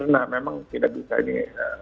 nah memang tidak bisa ini